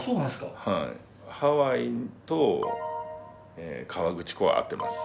ハワイと河口湖は合ってます。